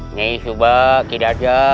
ini kisuba tidak ada